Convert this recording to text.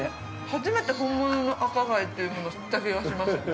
◆初めて本物の、赤貝というものを知った気がします。